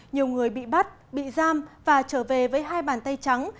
nhiều người bị bắt bị giam và trở về với hai bàn tay trắng